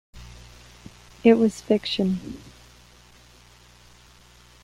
It was fiction.